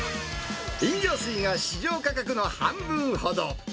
飲料水が市場価格の半分ほど。